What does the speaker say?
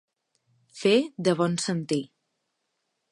Fer de bon sentir.